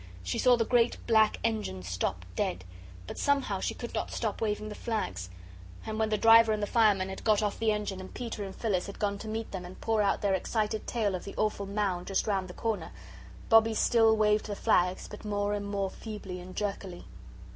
She saw the great black engine stop dead, but somehow she could not stop waving the flags. And when the driver and the fireman had got off the engine and Peter and Phyllis had gone to meet them and pour out their excited tale of the awful mound just round the corner, Bobbie still waved the flags but more and more feebly and jerkily.